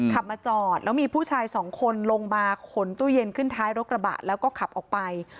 ขับมาจอดแล้วมีผู้ชายสองคนลงมาขนตู้เย็นขึ้นท้ายรถกระบะแล้วก็ขับออกไป